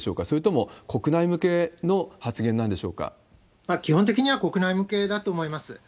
それとも、国内向けの発言なんで基本的には国内向けだと思います。